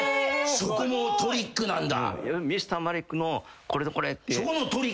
そこもトリックなんだを。